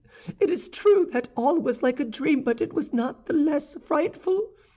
It is true that all was like a dream, but it was not the less frightful.